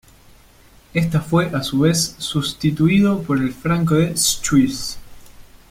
Esta fue, a su vez, sustituido por el Franco de Schwyz.